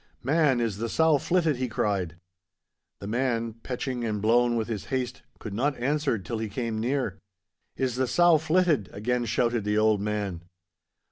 'Man, is the sow flitted?' he cried. The man, peching and blown with his haste, could not answer till he came near. 'Is the sow flitted?' again shouted the old man.